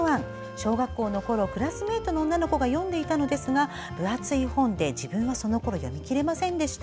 小学校のころ、クラスメートの女の子が読んでいたのですが分厚い本で、自分はそのころ読みきれませんでした。